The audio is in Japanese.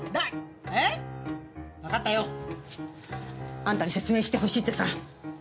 あんたに説明して欲しいってさ。